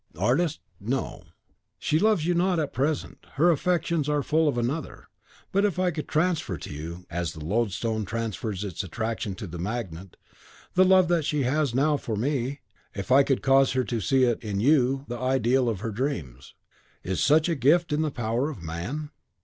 "Artist, no; she loves you not at present; her affections are full of another. But if I could transfer to you, as the loadstone transfers its attraction to the magnet, the love that she has now for me, if I could cause her to see in you the ideal of her dreams " "Is such a gift in the power of man?"